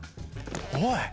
おい。